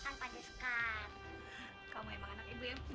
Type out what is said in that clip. kamu tidak bisa cantik